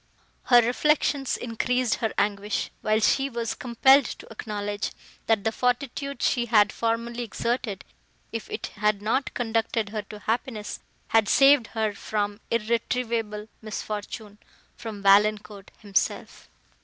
Her reflections increased her anguish, while she was compelled to acknowledge, that the fortitude she had formerly exerted, if it had not conducted her to happiness, had saved her from irretrievable misfortune—from Valancourt himself!